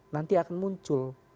nanti akan muncul